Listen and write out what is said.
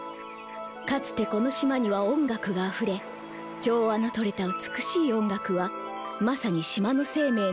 かつてこの島には音楽があふれ調和のとれた美しい音楽はまさに島の生命の源であった。